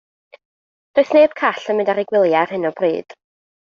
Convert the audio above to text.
Does neb call yn mynd ar eu gwyliau ar hyn o bryd.